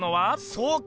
そうか！